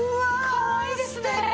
かわいいですねえ。